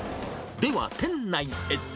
では、店内へ。